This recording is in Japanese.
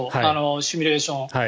シミュレーション。